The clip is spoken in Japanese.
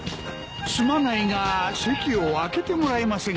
すまないが席を空けてもらえませんか？